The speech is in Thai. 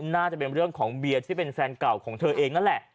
น่าจะเป็นเรื่องของเบียร์ที่เป็นแฟนเก่าของเธอเองนั่นแหละ